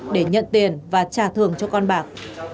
để nhận tiền và trả thưởng cho con bạc